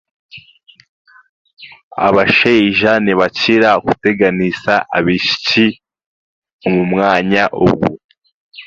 Abashaija nibakira kuteganiisa abaishiki omu mwanya ogu